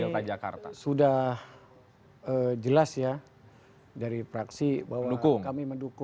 kalau dari kami sudah jelas ya dari fraksi bahwa kami mendukung